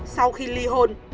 sau khi li hôn